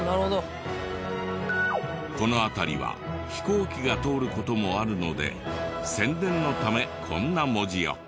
この辺りは飛行機が通る事もあるので宣伝のためこんな文字を。